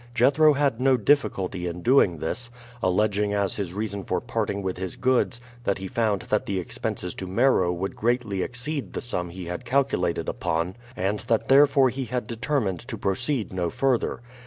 Jethro had no difficulty in doing this, alleging as his reason for parting with his goods that he found that the expenses to Meroe would greatly exceed the sum he had calculated upon, and that therefore he had determined to proceed no further.